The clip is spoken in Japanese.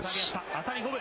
当たり五分。